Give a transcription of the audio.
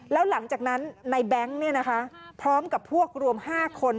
แล้วหลังจากนั้นในแบงค์พร้อมกับพวกรวม๕คน